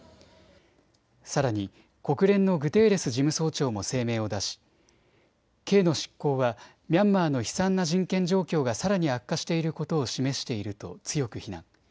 さらに国連のグテーレス事務総長も声明を出し刑の執行はミャンマーの悲惨な人権状況がさらに悪化していることを示していると強く非難。